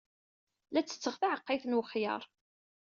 La ttetteɣ taɛeqqayt n wexyar.